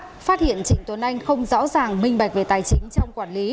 phát hiện trịnh tuấn anh không rõ ràng minh bạch về tài chính trong quản lý